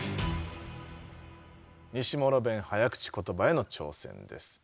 西諸弁早口ことばへの挑戦です。